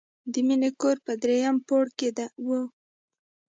د مینې کور په دریم پوړ کې و